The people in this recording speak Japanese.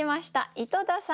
井戸田さん